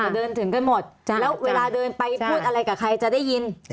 เดินถึงกันหมดแล้วเวลาเดินไปพูดอะไรกับใครจะได้ยิน